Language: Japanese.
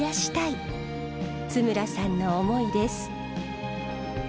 津村さんの思いです。